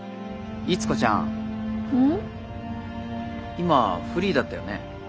今フリーだったよね。